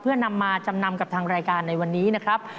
เพื่อนำมาจำนำกับทางรายการในวันนี้นะครับ